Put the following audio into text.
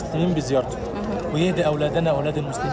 dan mengucapkan kepada anak anak kita anak anak muslim